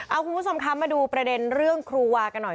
เอาคุณผู้ชมคะมาดูประเด็นเรื่องครูวากันหน่อย